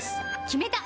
決めた！